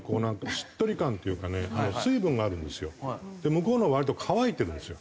向こうのは割と乾いてるんですよ。